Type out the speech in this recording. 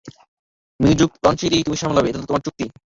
Music লঞ্চটি তুমিই সামলাবে, এটাতো তোমার চুক্তি।